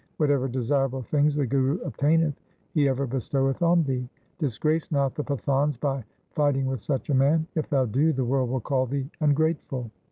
Whatever desirable things the Guru obtaineth he ever bestoweth on thee. Disgrace not the Pathans by fighting with such a man. If thou do, the world will call thee ungrateful.